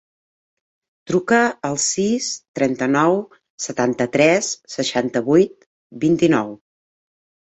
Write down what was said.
Truca al sis, trenta-nou, setanta-tres, seixanta-vuit, vint-i-nou.